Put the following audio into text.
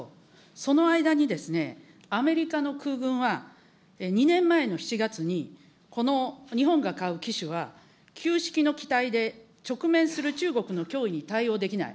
その間に、アメリカの空軍は、２年前の７月に、この日本が買う機種は、旧式の機体で直面する中国の脅威に対応できない。